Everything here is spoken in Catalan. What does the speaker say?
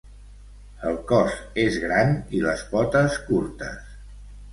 El cos és gran i les potes curtes.